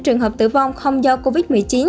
trường hợp tử vong không do covid một mươi chín